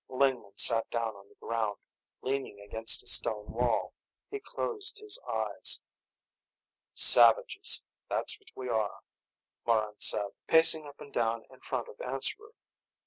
Lingman sat down on the ground, leaning against a stone wall. He closed his eyes. "Savages, that's what we are," Morran said, pacing up and down in front of Answerer.